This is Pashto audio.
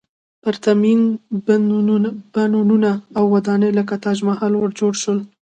پرتمین بڼونه او ودانۍ لکه تاج محل جوړ شول.